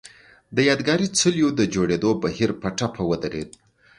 د یادګاري څليو د جوړېدو بهیر په ټپه ودرېد.